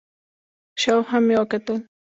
شاوخوا مې وکتل،